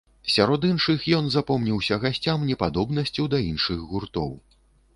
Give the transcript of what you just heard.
Сярод іншых ён запомніўся гасцям непадобнасцю да іншых гуртоў.